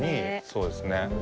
そうですね。